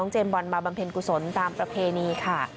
น้องเจมส์บอลมาบัมเพลงกุศลตามประเพณีค่ะ